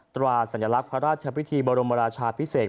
ตราสัญลักษณ์พระราชพิธีบรมราชาพิเศษ